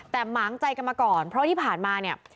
แต่หมางใจกันมาก่อนเพราะที่ผ่านมาเนี่ย